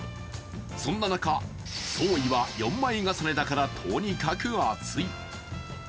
そんな中、僧衣は４枚重ねだからとにかく暑い。